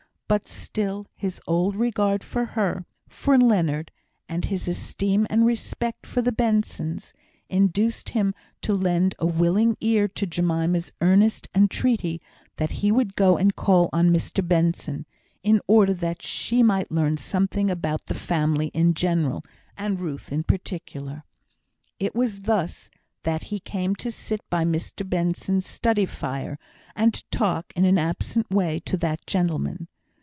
But still his old regard for her, for Leonard, and his esteem and respect for the Bensons, induced him to lend a willing ear to Jemima's earnest entreaty that he would go and call on Mr Benson, in order that she might learn something about the family in general, and Ruth in particular. It was thus that he came to sit by Mr Benson's study fire, and to talk, in an absent way, to that gentleman.